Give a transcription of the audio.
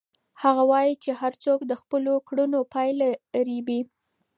هغه وایي چې هر څوک د خپلو کړنو پایله رېبي.